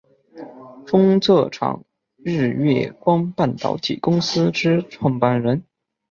封测厂日月光半导体公司之创办人。